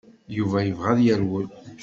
Yuba yebɣa ad yerwel.